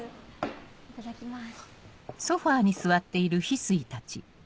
いただきます。